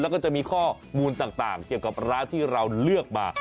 แล้วก็จะมีข้อมูลต่างเกี่ยวกับร้านที่เราเลือกมา